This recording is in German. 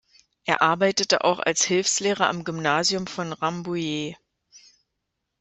Er arbeitete auch als Hilfslehrer am Gymnasium von Rambouillet.